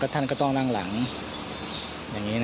แต่ต้องถึงขั้นปล่อยกันเลยเหรอ